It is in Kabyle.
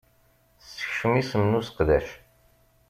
Sekcem isem n useqdac